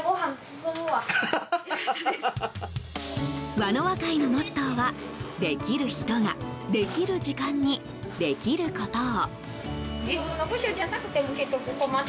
わのわ会のモットーはできる人ができる時間にできることを。